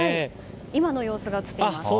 今の様子が映っています。